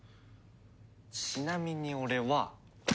ちなみに俺は。